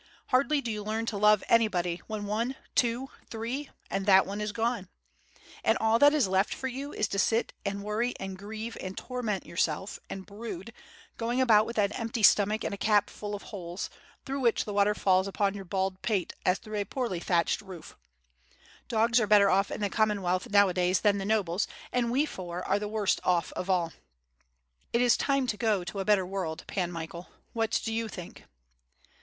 Hardly do you learn to love anybody, when, one, two, three, and that one is gone. And all t>iat is left for you is to sit and worry, and grieve, and torment yourself, and brood, going about with an empty stomach and a cap full of holes, through which water falls upon your bald pate as through a poorly thatched roof. Dogs are better off in the Common wealth nowadays than the nobles, and we four are the worst off of all. It is time to go to a better world, Pan Michael. What do you think?"